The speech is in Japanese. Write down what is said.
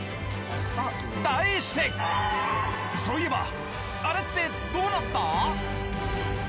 題してそういえばアレってどうなった？